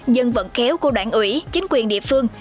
dân vận kéo của đoạn ủy chính quyền địa phương